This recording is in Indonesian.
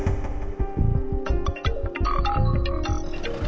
lo harus lawan aldebaran